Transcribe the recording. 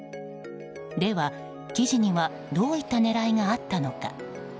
では、記事にはどういった狙いがあったのか。